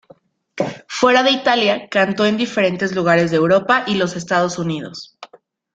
Fuera de Italia, cantó en diferentes lugares de Europa y los Estados Unidos.